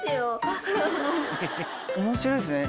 面白いですね